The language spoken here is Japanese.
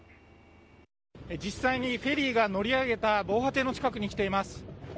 実際にフェリーが乗り上げた防波堤の近くに来ています。